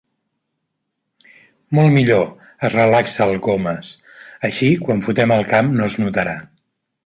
Molt millor —es relaxa el Comas—, així quan fotem el camp no es notarà.